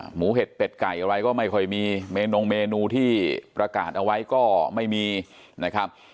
เห็ดเป็ดไก่อะไรก็ไม่ค่อยมีเมนูที่ประกาศเอาไว้ก็ไม่มีนะครับ